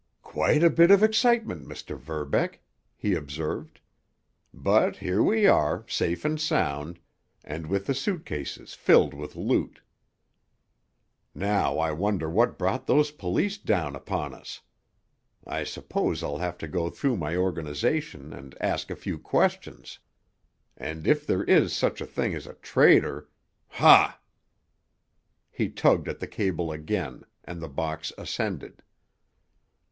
"Quite a bit of excitement, Mr. Verbeck," he observed. "But here we are, safe and sound, and with the suit cases filled with loot. Now I wonder what brought those police down upon us. I suppose I'll have to go through my organization and ask a few questions. And if there is such a thing as a traitor—ha!" He tugged at the cable again, and the box ascended.